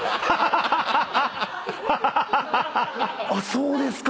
そうですか。